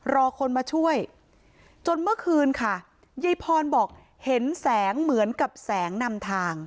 รอคนมาช่วยจนเมื่อคืนค่ะยายพรบอกเห็นแสงเหมือนกับแสงนำทาง